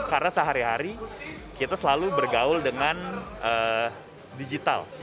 karena sehari hari kita selalu bergaul dengan digital